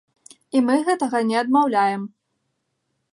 І мы гэтага не адмаўляем.